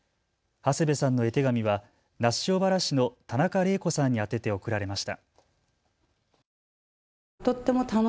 長谷部さんの絵手紙は那須塩原市の田中玲子さんに宛てて送られました。